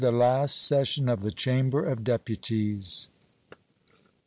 THE LAST SESSION OF THE CHAMBER OF DEPUTIES.